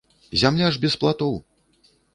Зямля ж без платоў!